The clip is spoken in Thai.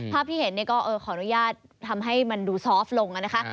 ภาพที่เห็นก็ขออนุญาตทำให้มันดูซอฟต์ลงนะคะ